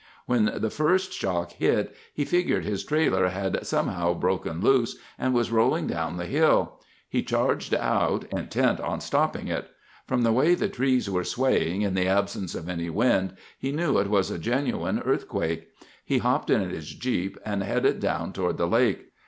When the first shock hit, he figured his trailer had somehow broken loose and was rolling down the hill. He charged out, intent on stopping it. From the way the trees were swaying in the absence of any wind, he knew it was a genuine earthquake. He hopped in his jeep and headed down toward the lake.